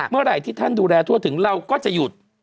เมื่อไหร่ที่ท่านดูแลทั่วถึงเราก็จะหยุด